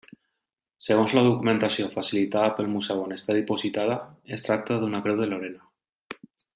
Segons la documentació facilitada pel museu on està dipositada es tracta d'una Creu de Lorena.